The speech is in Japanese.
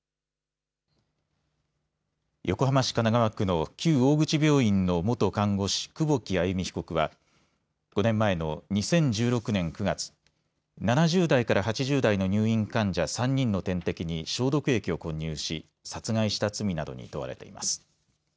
横浜市神奈川区の旧大口病院の元看護師、久保木愛弓被告は、５年前の２０１６年９月、７０代から８０代の入院患者３人の点滴に消毒液を混入し殺害した罪などに問われています。